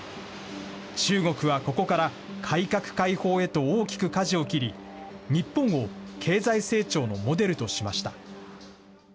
中国はここから改革開放へと大きくかじを切り、日本を経済成長のモデルとしました。